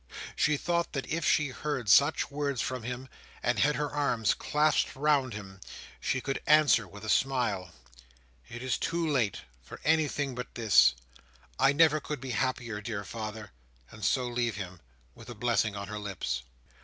She thought that if she heard such words from him, and had her arms clasped round him, she could answer with a smile, "It is too late for anything but this; I never could be happier, dear father!" and so leave him, with a blessing on her lips.